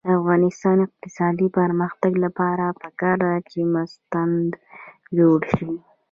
د افغانستان د اقتصادي پرمختګ لپاره پکار ده چې مستند جوړ شي.